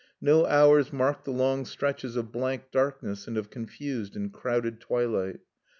No hours marked the long stretches of blank darkness and of confused and crowded twilight.